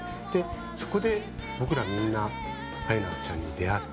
そこで僕らみんなアイナちゃんに出会って。